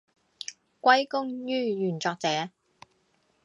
歸功於原作者